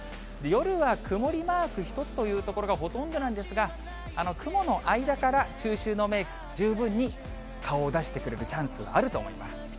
夜は曇りマーク１つという所がほとんどなんですが、雲の間から中秋の名月、十分に顔を出してくれるチャンスあると思います。